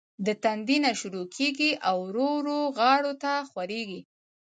د تندي نه شورو کيږي او ورو ورو غاړو ته خوريږي